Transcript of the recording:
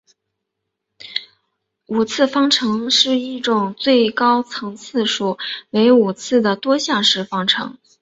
五次方程是一种最高次数为五次的多项式方程。